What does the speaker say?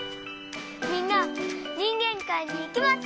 みんなにんげんかいにいけますね！